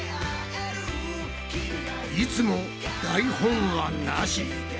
いつも台本はなし！